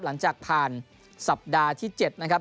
หลังจากผ่านสัปดาห์ที่๗นะครับ